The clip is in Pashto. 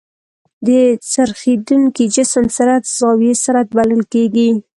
د څرخېدونکي جسم سرعت زاويي سرعت بلل کېږي.